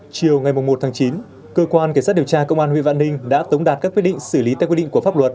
chiều ngày một chín cơ quan kiểm soát điều tra công an huyện vạn ninh đã tống đạt các quyết định xử lý theo quyết định của pháp luật